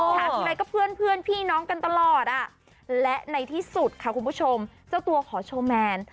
ทีไรก็เพื่อนพี่น้องกันตลอดอ่ะและในที่สุดค่ะคุณผู้ชมเจ้าตัวขอโชว์แมน